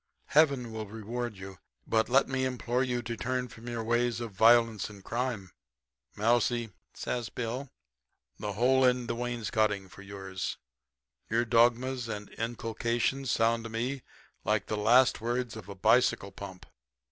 Heaven will reward you. But let me implore you to turn from your ways of violence and crime.' "'Mousie,' says Bill, 'the hole in the wainscoting for yours. Your dogmas and inculcations sound to me like the last words of a bicycle pump.